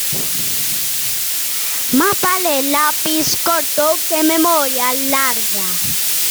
Más vale lápiz corto que memoria larga.